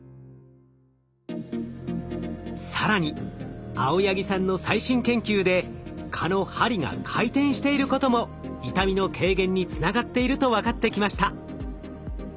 更に青柳さんの最新研究で蚊の針が回転していることも痛みの軽減につながっていると分かってきました。